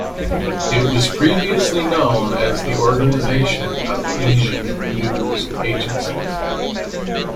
It was previously known as the Organisation of Asian News Agencies.